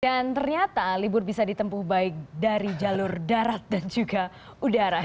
dan ternyata libur bisa ditempuh baik dari jalur darat dan juga udara